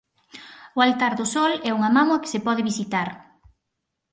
O Altar do Sol é unha mámoa que se pode visitar.